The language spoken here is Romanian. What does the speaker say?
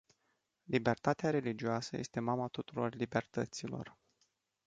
Libertatea religioasă este mama tuturor libertăților.